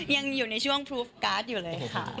ยังอยู่ในช่วงทรูฟการ์ดอยู่เลยค่ะ